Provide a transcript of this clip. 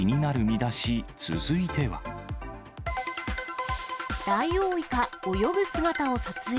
ダイオウイカ、泳ぐ姿を撮影。